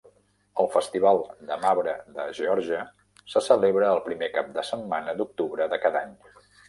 El Festival de marbre de Geòrgia se celebra el primer cap de setmana d'octubre de cada any.